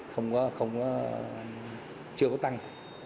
không có không có chưa có tăng